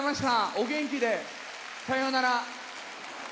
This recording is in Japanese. お元気で、さようなら。